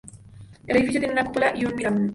El edificio tiene una cúpula y un minarete.